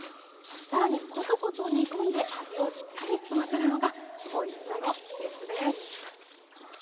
更にコトコト煮込んで味をしっかり含ませるのがおいしさの秘けつです。